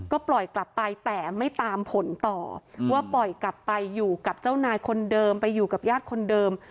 ก็ปล่อยกลับไปแต่ไม่ตามผลต่อว่าปล่อยกลับไปอยู่กับเจ้านายคนเดิมไปอยู่กับญาติคนเดิม